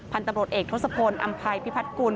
พันธุ์ตำรวจเอกทศพลอำภัยพิพัฒกุล